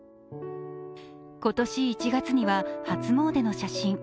今年１月には初詣の写真。